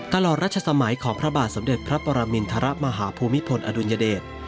ตลอดรัชสมัยของพระบาทสมเด็จพระปรมินทรมาฮภูมิพลอดุลยเดช